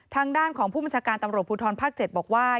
ทางด้านของผู้บัญชาการตำรวจภูทรภาค๗บอกว่า